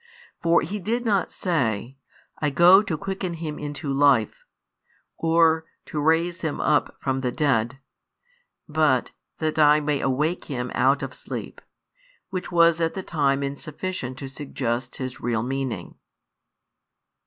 For He did not say: "I go to quicken him into life" or "to raise him up from the dead," but "that I may awake him out of sleep;" which was at the time insufficient to suggest His real meaning.